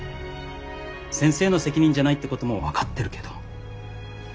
先生の責任じゃないってことも分かってるけど。